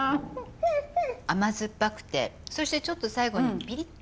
甘酸っぱくてそしてちょっと最後にピリッと。